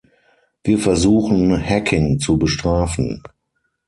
Wir versuchen, Hacking zu bestrafen.